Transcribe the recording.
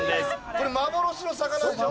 これ幻の魚でしょ？